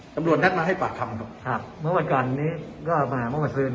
ตำรวจนัดมาให้ป่าทำครับครับเมื่อวันก่อนนี้ก็มาเมื่อวันสืน